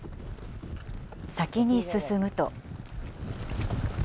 先に進むと。